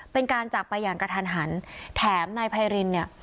เป็นการจากไปอย่างกระทันหันแถมนายไพรินเนี่ย